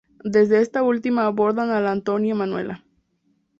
Desde esta última abordan a la Antonia Manuela.